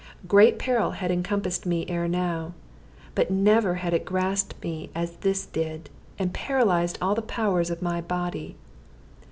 Great peril had encompassed me ere now, but never had it grasped me as this did, and paralyzed all the powers of my body.